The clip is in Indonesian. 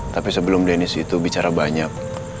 tapi sebelum denis itu bicara banyak